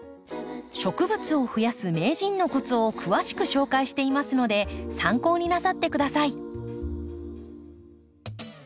植物を増やす名人のコツを詳しく紹介していますので参考になさって下さい。